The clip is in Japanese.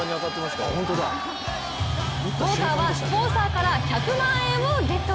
ウォーカーは、スポンサーから１００万円をゲット。